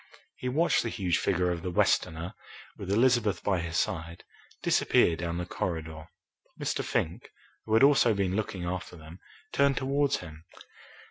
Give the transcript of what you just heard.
He watched the huge figure of the Westerner, with Elizabeth by his side, disappear down the corridor. Mr. Fink, who had also been looking after them, turned towards him.